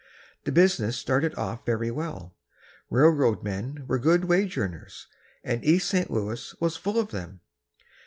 The business started off very well. Railroad men were good wage earners, and East St. Louis was full of them.